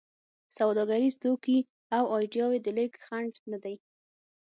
سوداګریز توکي او ایډیاوو د لېږد خنډ نه دی.